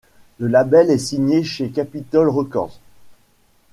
Le label est signé chez Capitol Records.